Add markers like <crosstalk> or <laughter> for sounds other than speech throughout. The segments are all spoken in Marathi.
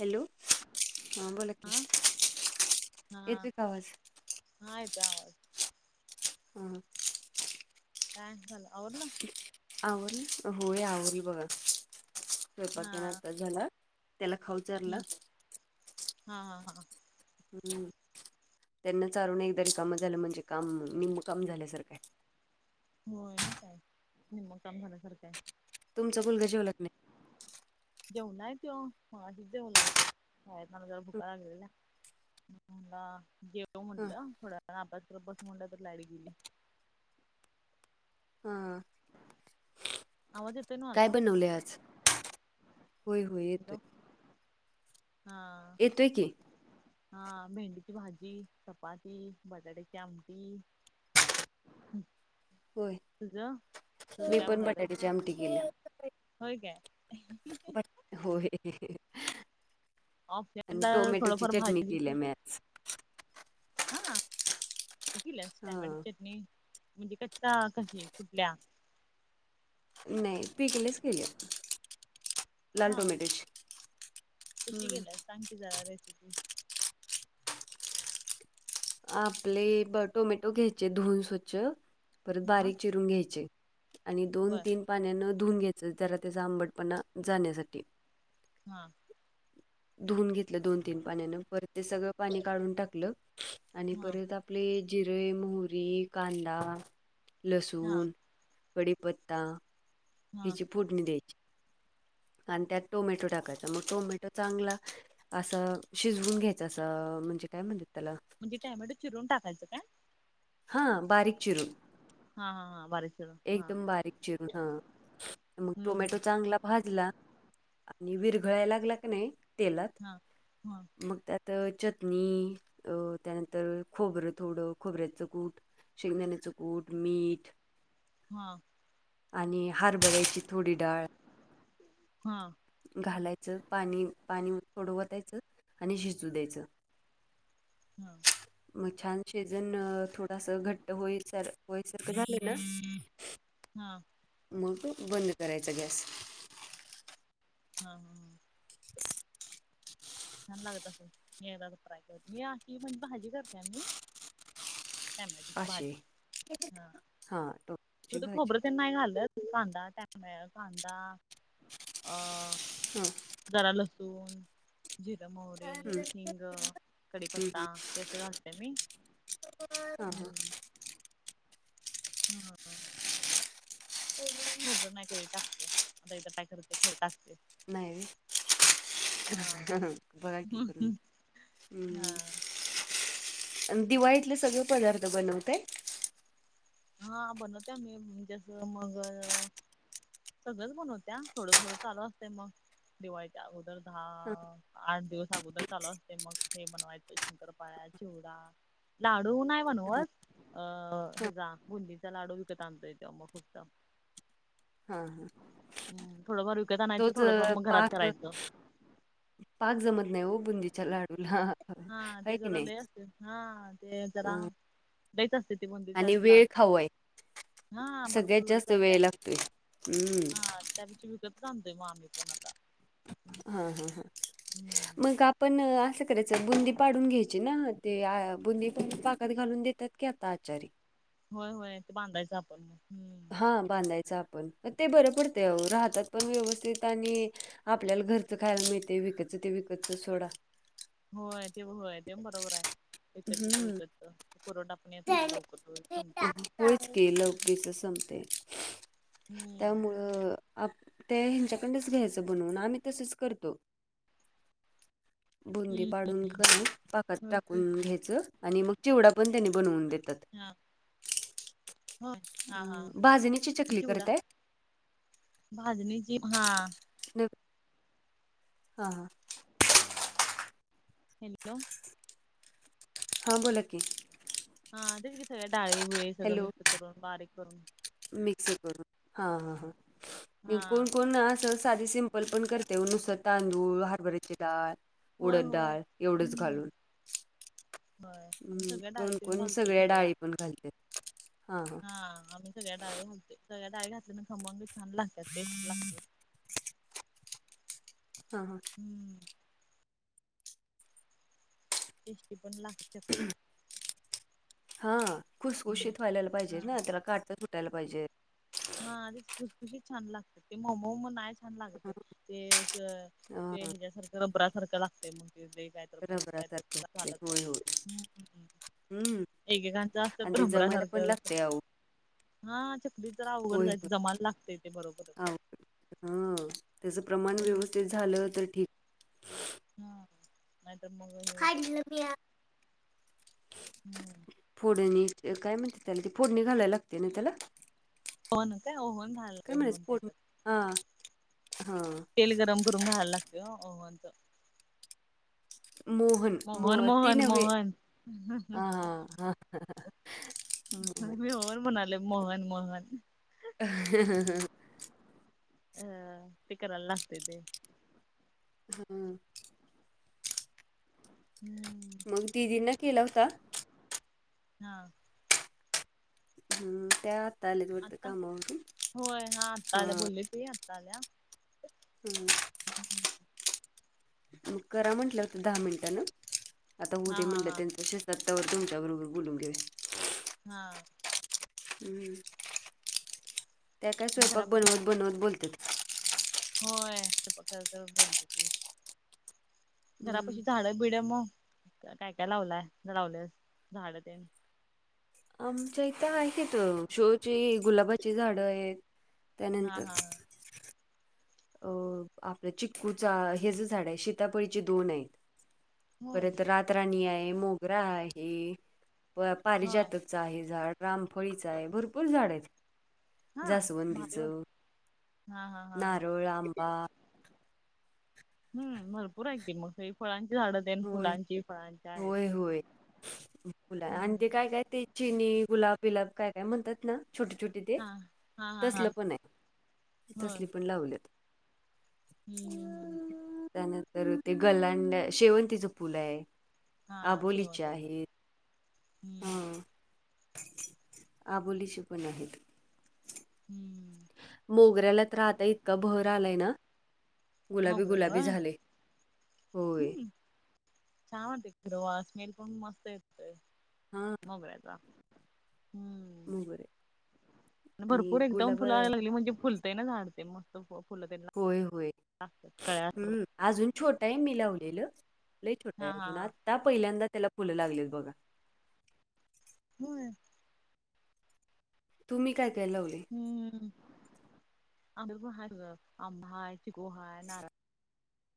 हॅलो हा बोला की येतय का आवाज हायता आ. हम. <unintelligible> झाला आवरल. आवरल होय आवरल बघा स्वयपाकतेन आताच झाला. त्याला खाऊ. चारला हम् हा हा हा. हम्म त्यांना चारून एकदारी काम झालं म्हणजे काम निम्म काम झाल्यासारखं. होय ना काय निममग काम झाल्यासारखं आहे. तुमचंुलग जेवलग नाही. जेऊ नाय तो हशी देेऊलाय तो काय न जर नाही? भुका लागलेल्या मला जेव हा म्हटलं थोडा आप बस मुंड तर लाडी गेली. हां. आवाज ना काय माझा बनवले आज होय होय हॅलो येतय. हा. येतोय की हा मेहेंदीची भाजी चपाती बटाट्याची आमटी होय तुझ तुझ मी काय पण बनवलंय. बटाट्याची आमटी केल्या. हो का? हो आणि ऑप्शनला टोमॅटोची थोडंफार चटणी भाजी केली मी आज हा क ल हा टामाडी चटणी म्हणजे कच्चा कशी फुटल्या. नाही पीकलेस केली लाल हा टोमॅटोची कशी हम्म गेला सांग की जरा रेसिपी आपले ब टोमॅटो घ्यायचे धुून स्वच्छ परत हा बारीक चिरून घ्यायचे. आणि दोन बर तीन पाण्यान धुून घ्यायचं जरा त्याचा आंबडपणा जाण्यासाठी हां. धुवून घेतलं दोन तीन पाण्यानं पर ते सगळं पाणी काढून टाकलं. आणि हा परत आपले जिरे मोहरी कांदा, लसूण हां. कडीीपत्ता हा हिची फोडणी द्यायची. आणि त्यात टोमॅटो टाकायचा मग टोमॅटो चांगला असं शिजवून घ्यायचं असं म्हणजे काय म्हणत त्याला म्हणे टॅमट चिरून टाकायचंय. हा बारीक चिरून हा हा हा बर. एकदम बारीक चिरून हा मग हम्म टोमॅटो चांगला भाजला आणि विरघळायला लागला की नाही तेलात हा हा. मग त्यात चटणी त्यानंतर खोबरं थोडं खोबऱ्याचं गूट शेंगदाण्याच कूट, मीठ हा. आणि हरभऱ्याची थोडी डाळ हा. घालायचं पाणी पाणी थोडवतायचं आणि शिजू द्यायचं. <unintelligible> हा. मग छान शेजण थोडस घट्ट होई होयसारखं झालं ना. हां. मग बंद करायचा गॅस. हा हा ह. छान लागतंय मी अशी म्हणजे भाजी करते मी. अशे हा. तु टोमॅटोची तर भाजी खबरं त्यां नाही घालं कांदा त्यामुळे कांदा अ हम. जरा लसून. जिरं मोहडी ह हिंग कडीीपत्ता ते असं घालते मी ह ह. हम. हो. खोबरं नाही कररी टाकत आता एकदा पाय करतते खोब टाकते. नाही हा र बघा क हम्म. करून हा हम्. दिवाळीतले सगळे पदार्थ बनवते. हा बनवते मी जस मग. सगळच बनवत्या थोडं थोडं चालू असतते मग दिवाळीच्या अगोदर धा हा आठ दिवस अगोदर चालू असते मग हे बनवायचं शंकरपाळ, चिवडा लाडू नाही म्हणूस अ हा हेचा बुंदीचा लाडू विकत आणतोय तेवग खुसत हा हा. थोडं फार विकत आणायचं तोच थोडंफार मग घरात पाक करायचं पाक जमत नाही हो बुंदीच्या लाडूला हा आहे ते की जरा नाही लई असते हा ते जरा अ दच असते ती बंदी आणि वेळ लाड खाऊ आहे हा सगळ्यात भरपूर जास्त वेळेचा त्या वेळ लागतोय हम्म हा त्यापेक्षा विकतच आणतो आम्ही हा हा ह हम्म. मग आपण असं च बुंदी पाडून घ्यायची ना ते बुंदी प पाकात घालून देतात की आता आचारी होय होय ते बांधायचं आपण मग हम् हा बांधायच आपण ते बरं पडते राहतात पण व्यवस्थित आणि आपल्याला घरचं खायला मिळतेय विकतचं ते विकतचं सोडा होय ते होय ते बरोबर आहे. विकत ते हम्म वत पुरव टा आपण येत नाही लवकर लथमते होच क लवरीच संपते हम्म. त्यामुळे तर आप ते ह्यांच्याकडच घ्यायचं बनवून आम्ही तसंच करतो. <unintelligible> बुंदी हम्म पाडून कर पाकात होय की टाकून घ्यायचं आणि मग चिवडा पण त्यानी बनवून देतात. हा हो हा हा भाजणीची चकली चिवडा. करताय भाजणी ज हा न हा हॅलो. हां बोला की. हा तेच की, सगळ्या डाळीबिळी सगळं हॅलो मिक्स करून बारीक करून मिक्स करून, हा हा ह हा कोण कोण अस साधे सिंपल पण करते. नुसतं तांदूळ हरबरीची डाळ होय उडद होय डाळ एवढंच हम्म घालून होय आम्ही हम् सगळ्या डाळी कोण तेन कोण घालतोय सगळ्या डाळी पण घालतात हा. हा आम्ही सगळ्या डाळी घालते. सगळ्या डाळी घातल्या खमंग छान लागतात टेस्ट लागते. हा, हा, हम्म <inaudible> टेस्टी पण लाग चकल्या हा हम्म खुसखुशीत व्हायला पाहिजे हा ना, त्याला काट पण फुटायला पाहिजे. हा ते खुसखुशी छान लागत ते मऊ मऊ नाय छान लागते, ते असं ते हां, हेच्यासारखं रबरा सारखं लागते मग ते ते काय रबरासारखं होतंय. होय, होय. <unintelligible> हं एकेकांचं आणि असतं ते रबरा जमायला पण सारखं लागतंय अहो. हा चकली जरा अवघड जाते. जमाला लागते ते बरोबर. ह त्याच प्रमाण हम्म व्यवस्थित झालं तर ठीक हा, नाहीतर मग हे होत काढलं मी आ हम्म. फोडणी, काय म्हणते त्याला ते फोड नि घालायला लागते ना त्याला. होनते <inaudible> काय म्हणायचोट हा हा <unintelligible> तेल गरम करुंग घालावं लागत ओ ओहन च. म <unintelligible> मोहन, मोहन, मोहन, ह, हा, हा ह <unintelligible> मम्ही <inaudible> होर म्हणाले मोहन मोहन अ <inaudible> ह ते करायला लागते ते हम्. हम्म मग दिदींना केला होता. हां. हम्म, त्यात आता, होय हा आता आल्या हां, बोलली ती आता आल्या हम् <unintelligible> हं <inaudible> मग करा म्हटलं दहा मिनिटान आता हा होऊदे हा म्हटलं हा त्यांच सत्तावर <inaudible> तुमच्या बरोबर बोलून घेऊस हा. ह्, त्या काय आणि स्वयंपाक घरापशी आहे बनवत बनवत बोलतात. होय, स्वयंपाक करत करत बोलतात. हम्म. घरापाशी झाडं बिड मग काय काय लावलाय, लावलेस झाडं ते आमच्या इथं आहे त शोची गुलाबाची झाडं आहेत. हा, हा, हा- अं, आपलं चिक्कूचा हे ज झाड आहे शीतापळीचे दोन आहेत. होय परत रातराणीये, मोगरा, आहे होय प-पारिजातक च झाड, रामफळीचा हाय, भरपूर झाड येत हा भारी वाट जासवंदीचं हा हा हा नारळ, आंबा, हम्, भरपूर हाय की मग. काही फळांची झाडं तेन होय फुलांची फळांची आहेत होय होय. फुलं आणि हम्म. ते काय काय ते चिनी गुलाब बिलाब काय काय म्हणतात ना. छोटे छोटे ते हा हा हा हा तसलं पणय होय तसली पण लावल्यात. हम्म हम्म हम्म त्यानंतर ते गलांड शेवंतीच फूल आहे. हा आंबोली ची शेवंताच आहेत. हम्म अबोलीची पण आहेत. हम्म. मोगऱ्याला तर आता इतका बहर आलाय ना गुलाबी मोगऱ्याला गुलाबी व्हय झाले. होय. हम्म छान वाते ख र वा स्मेल पण मस्त येत. हा. मोगऱ्याचा हम्म. मोगरे आणि भरपूर एकदम गुलाबा फुलायला लागली म्हणजे फुल. ते झाडते मस्त फु होय होय. हा कळळे हत. हम्म अजून छोटंय मी लावलेलं लई छोटंय हा हा अजून हा आता पहिल्यांदा त्याला फुलं लागलेत बघा. होय. तुम्ही काय काय लावलंय. हम्म आ ह आंब ह आहे चिको हय नारा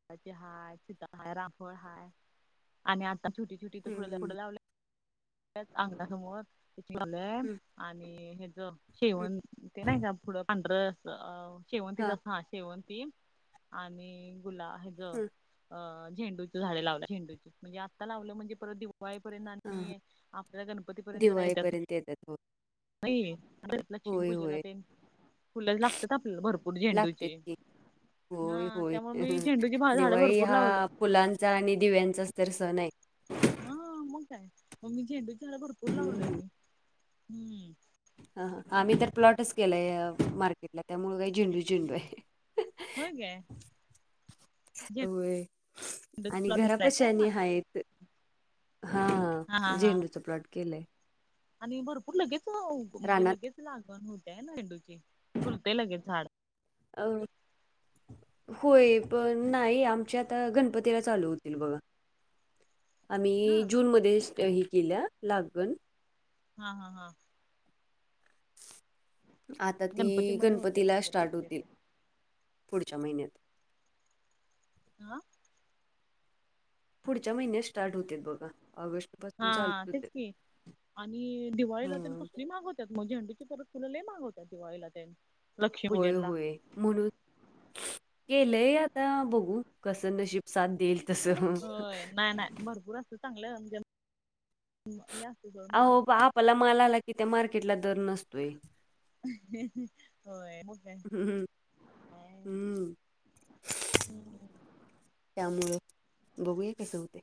<unintelligible> रायफल हाय आणि आता छोटी छोटी इथं फुल हम्म लावले. त्याच अंगणा समोर झालंय हम्म आणि ह ज हम्म हम्म शेवण ते नाही का पुढं पांढर शेवंतीच हा शेवंती आणि गुला हेज अ हं, झेंडू झाडे लावल्या झेंडूची म्हणजे आता लावलं म्हणजे परत दिवाळीपर्यंत हां, आणि आपल्या गणपतीपर्यंत जरा येत्यात. ेत <unintelligible> नाहीे. लक्ष्मी पूजेला तेन फुलं लागतात आपल्याला भरपूर लागतेच झेंडूची की. होय हा होय त्यामुळे मी झेंडूची झाडं दिवाळी भरपूर हा लावलं फुलां चा आणि दिव्यांचाच तर सण आहे. हा मग काय मग मी झेंडू झाडं भरपूर लावलोय हं. मी हम्म. ह आम्ही तर प्लॉटच केलाय मार्केटला त्यामुळं काय झेंडू झेंडूय. व्हय काय? व्हय आणि झेंडूलाय घरापाशी काय अणि मार्केटला हायत. हा हा हा हा झेंडूच प्लॉट केलंय. आणि रानात <unintelligible> होय पण नाही आमच्यात गणपतीला चालू होतील बघा. हा आम्ही जूनमध्येच हे केल्या लागण. हा हा हा. आता ती गणपतीमध्ये होते गणपतीला मग ते स्टार्ट लागतय होतील ते. पुढच्या महिन्यात हा. पुढच्या महिन्यात स्टार्ट <unintelligible> बघा ऑगस्ट पासून चालू हा तेच होते की आणि दिवाळीला तर हा कसली महाग मग झेंडूची फुल लय मागवतात दिवाळीला त्या होय होय. म्हणून केलंय आता बघू कस नशीब साथ देईल. तसं होय नाही नाही भरपूर असत चांगलं म्हणजे हे असत जळ मल पला माल आला की त्या मार्केटला दर नसतोय. होय. हम्म हम्म. हम्म. त्यामुळे बघूया कसे होते.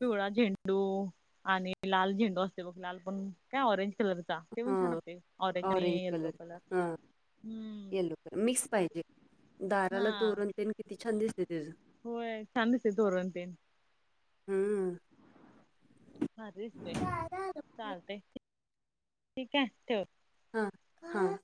पिवळा झेंडू आणि लाल झेंडू असते बघ लाल पण काय ऑरेंज कलर ते पण छान हा असते ऑरेंज आणि येल्लो कलर येलो हम्म कलर मिक्स पाहिजे. हा दाराला तोरणतेन किती छान दिसते तेच होय छान दिसते हम्. ह रिस्ते चालते ठीक आहे ठ हा. हा